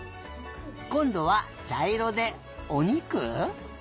こんどはちゃいろでおにく？